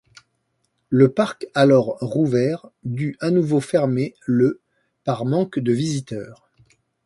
Le parc alors rouvert dut à nouveau fermer le par manque de visiteurs.